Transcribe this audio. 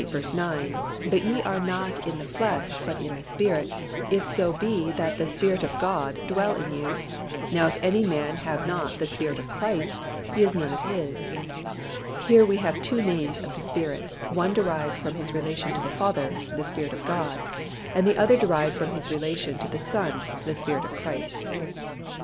9, "But ye are not in the flesh, but in the Spirit, if so be that the Spirit of God dwell in you. Now if any man have not the Spirit of Christ, he is none of His." Here we have two names of the Spirit, one derived from His relation to the Father, "the Spirit of God," and the other derived from His relation to the Son, "the Spirit of Christ."